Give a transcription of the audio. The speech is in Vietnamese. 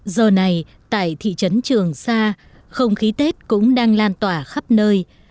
giờ này tại thị trấn trường sa không khí tết cũng đang lan tỏa khắp nơi